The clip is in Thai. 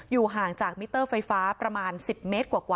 อยู่ห่างจากเมี้เตอร์ไฟฟ้าประมาณ๑๐เมตรกว่าข้ะ